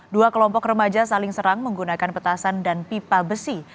dua kelompok remaja saling serang menggunakan petasan dan pipa besi